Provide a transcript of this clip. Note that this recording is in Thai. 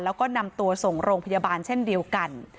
แล้วก็นำตัวส่งโรงพยาบาลเช่นเดียวกัน